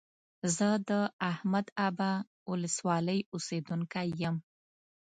زه د احمد ابا ولسوالۍ اوسيدونکى يم.